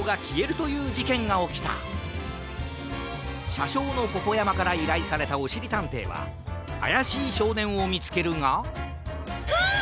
しゃしょうのポポやまからいらいされたおしりたんていはあやしいしょうねんをみつけるがうわっ！